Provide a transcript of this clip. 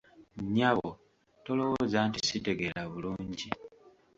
Nnyabo, tolowooza nti sitegeera bulungi.